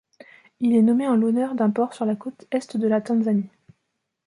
Il est nommé en l'honneur d'un port sur la côte est de la Tanzanie.